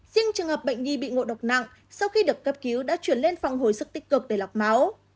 riêng trường hợp bệnh nhi bị ngộ độc nặng sau khi được cấp cứu đã chuyển lên phòng hồi sức tích cực để lọc máu